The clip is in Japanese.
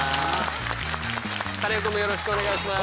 カネオくんもよろしくお願いします。